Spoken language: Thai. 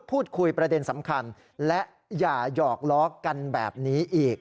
ประเด็นสำคัญและอย่าหยอกล้อกันแบบนี้อีก